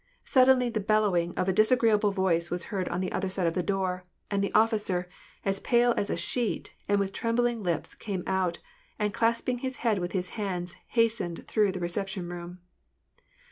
Suddenly the bellowing of a disagreeable voice was heard on the other side of the door ; and the officer, as pale as a sheet, and with trembling lips, came out, and, clasping his head with his hands, hastened through the reception room.